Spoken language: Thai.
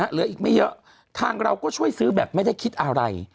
เหลืออีกไม่เยอะทางเราก็ช่วยซื้อแบบไม่ได้คิดอะไร